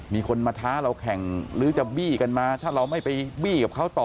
มีคนมาท้าเราแข่งหรือจะบี้กันมาถ้าเราไม่ไปบี้กับเขาต่อ